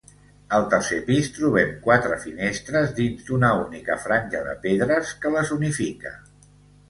Al tercer pis trobem quatre finestres dins d'una única franja de pedra que les unifica.